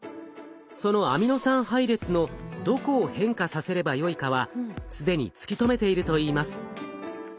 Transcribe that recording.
そのアミノ酸配列のどこを変化させればよいかは既に突き止めているといいます。